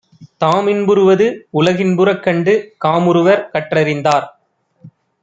தாமின்புறுவது உலகின் புறக்கண்டு காமுறுவர் கற்றறிந்தார்.